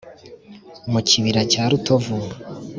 mu kibira cya rutovu